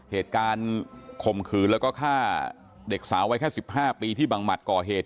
เหตุการณ์คมคืนแล้วก็ฆ่าเด็กสาวไว้แค่๑๕ปีที่บังมัติก่อเหตุ